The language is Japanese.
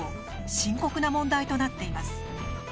深刻な問題となっています。